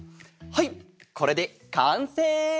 はいこれでかんせい！